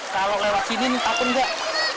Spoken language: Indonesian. kalau lewat sini takut nggak